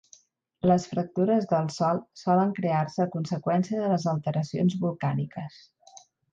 Les fractures del sòl solen crear-se a conseqüència de les alteracions volcàniques.